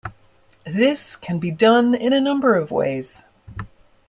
This can be done in a number of ways.